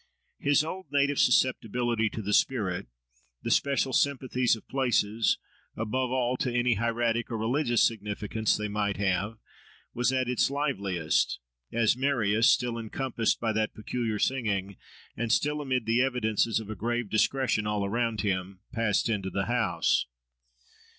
His old native susceptibility to the spirit, the special sympathies, of places,—above all, to any hieratic or religious significance they might have,—was at its liveliest, as Marius, still encompassed by that peculiar singing, and still amid the evidences of a grave discretion all around him, passed into the house.